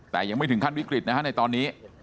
แต่ยังไม่ถึงขั้นวิกฤตนะฮะในตอนนี้